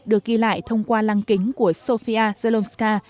được ghi lại thông qua lăng kính của sofia zalomska